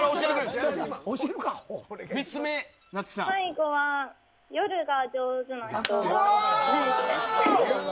最後は夜が上手な人。